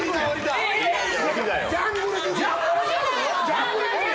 ジャングルジム。